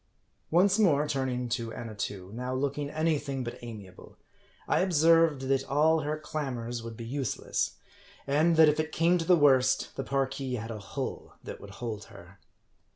Once more turning to Ajinatoo, now looking any thing but amiable, I observed, that all her clamors would be useless ; and that if it came to the worst, the Parki had a hull that would hold her.